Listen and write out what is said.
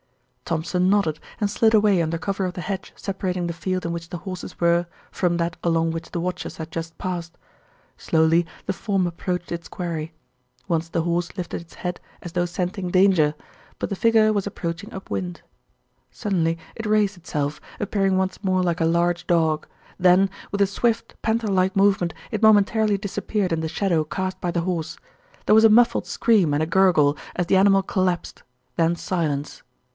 Thompson nodded and slid away under cover of the hedge separating the field in which the horses were from that along which the watchers had just passed. Slowly the form approached its quarry. Once the horse lifted its head as though scenting danger; but the figure was approaching upwind. Suddenly it raised itself, appearing once more like a large dog. Then with a swift, panther like movement it momentarily disappeared in the shadow cast by the horse. There was a muffled scream and a gurgle, as the animal collapsed, then silence.